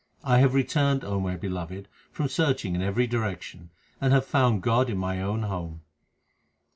I have returned, O my beloved, from searching in every direction ; and have found God in my own home.